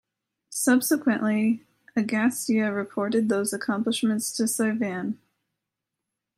Subsequently, Agastya reported those accomplishments to Sivan.